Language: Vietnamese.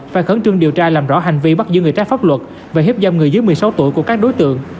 và khấn trương điều tra làm rõ hành vi bắt giữ người trái pháp luật và hiếp giam người dưới một mươi sáu tuổi của các đối tượng